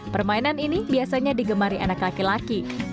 permainan ini biasanya digemari anak laki laki